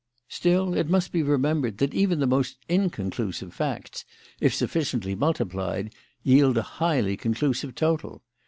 Still, it must be remembered that even the most inconclusive facts, if sufficiently multiplied, yield a highly conclusive total.